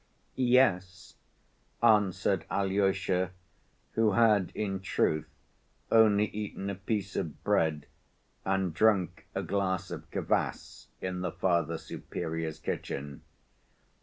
"Yes," answered Alyosha, who had in truth only eaten a piece of bread and drunk a glass of kvas in the Father Superior's kitchen.